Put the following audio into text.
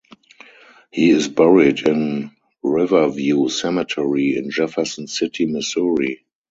He is buried in Riverview Cemetery in Jefferson City, Missouri.